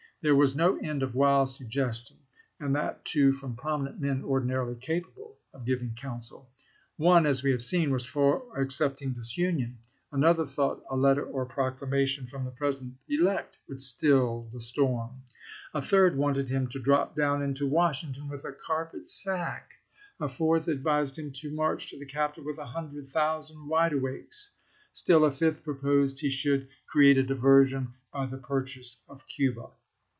There was no end of wild suggestion, and that too from prominent men ordinarily capable of giving counsel. One, as we have seen, was for accepting disunion. Another thought a letter or proclamation from the President elect would still the storm. A third wanted him to drop down into Washington "with a carpet sack." A fourth advised him to march to the capital with a hundred thousand "wide awakes." Still a fifth proposed he should cfeate a diversion by the purchase of Cuba.